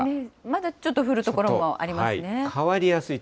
まだちょっと降る所もありますね。